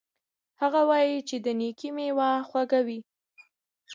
هغه وایي چې د نیکۍ میوه خوږه وي